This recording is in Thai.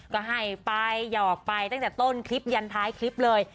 ก็ให้ไปหยอกไปตั้งแต่ต้นคลิปยันท้ายคลิปเลย